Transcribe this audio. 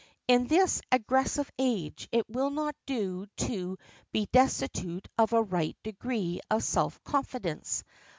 In this aggressive age it will not do to be destitute of a right degree of self confidence.